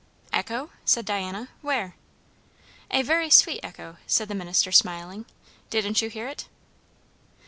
"Echo?" said Diana. "Where?" "A very sweet echo," said the minister, smiling. "Didn't you hear it?"